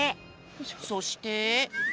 そして。